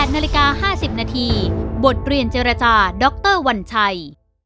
นาฬิกา๕๐นาทีบทเรียนเจรจาดรวัญชัย